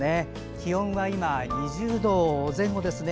気温は今、２０度前後ですね。